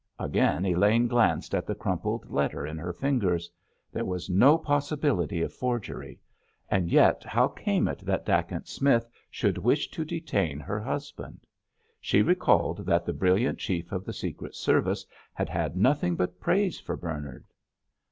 Again Elaine glanced at the crumpled letter in her fingers. There was no possibility of forgery—and yet how came it that Dacent Smith should wish to detain her husband? She recalled that the brilliant Chief of the secret service had had nothing but praise for Bernard.